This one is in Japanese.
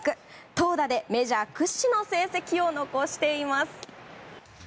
投打でメジャー屈指の成績を残しています。